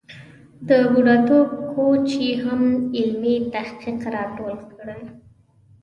د بوډاتوب کوچ یې هم علمي تحقیق را ټول کړی.